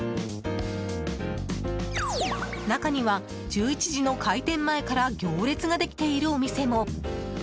中には、１１時の開店前から行列ができているお店も。